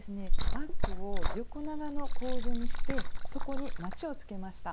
バッグを横長の構図にして底にまちをつけました。